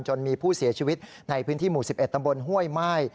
มีผู้เสียชีวิตในพื้นที่หมู่๑๑ตำบลห้วยม่าย